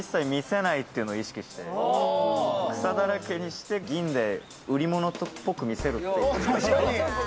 草だらけにして銀で売り物っぽく見せるっていう。